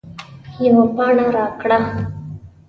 یوه پاڼه راکړه